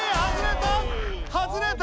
外れた！